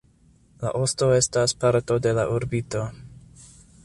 La osto estas parto de la orbito.